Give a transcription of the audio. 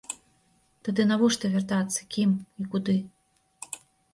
Тады навошта вяртацца, кім і куды?